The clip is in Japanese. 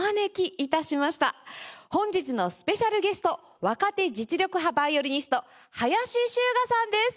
本日のスペシャルゲスト若手実力派ヴァイオリニスト林周雅さんです。